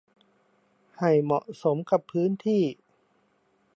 ให้เหมาะสมกับพื้นที่